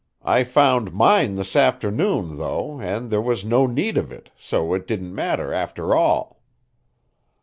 I found mine this afternoon, though, and there was no need of it, so it didn't matter after all."